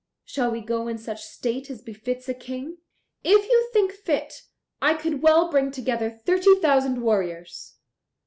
Shall we go in such state as befits a King? If you think fit, I could well bring together thirty thousand warriors."